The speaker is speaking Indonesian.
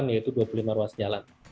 yaitu dua puluh lima ruas jalan